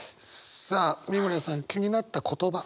さあ美村さん気になった言葉。